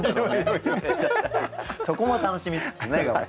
そこも楽しみつつね。